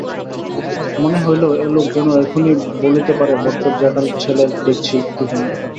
মনে হইল এ লোক যেন এখনই বলিতে পারে-বড্ড জ্যাঠা ছেলে দেখচি তো তুমি?